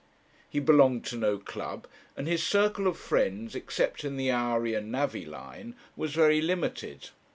He belonged to no club, and his circle of friends, except in the houri and navvy line, was very limited.